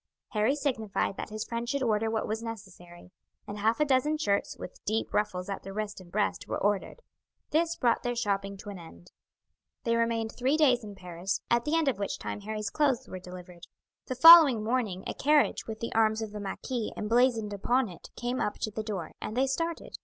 Harry signified that his friend should order what was necessary; and half a dozen shirts, with deep ruffles at the wrist and breast, were ordered. This brought their shopping to an end. They remained three days in Paris, at the end of which time Harry's clothes were delivered. The following morning a carriage with the arms of the marquis emblazoned upon it came up to the door, and they started.